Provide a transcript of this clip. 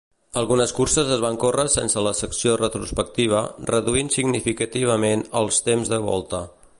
Algunes curses es van córrer sense la secció retrospectiva, reduint significativament els temps de volta.